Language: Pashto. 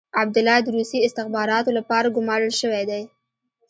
عبدالله د روسي استخباراتو لپاره ګمارل شوی دی.